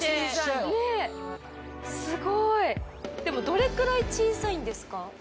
でもどれくらい小さいんですか？